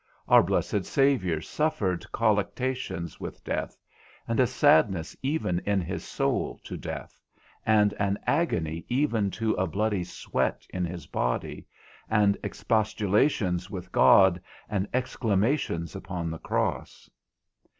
Our blessed Saviour suffered colluctations with death, and a sadness even in his soul to death, and an agony even to a bloody sweat in his body, and expostulations with God, and exclamations upon the cross.